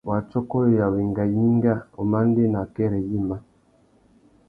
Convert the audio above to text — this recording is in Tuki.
Wātsôkôreya, wenga gnïnga, umandēna akêrê yïmá.